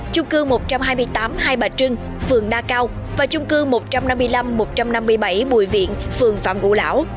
chung cư một trăm hai mươi tám hai bà trưng phường na cao và chung cư một trăm năm mươi năm một trăm năm mươi bảy bùi viện phường phạm ngũ lão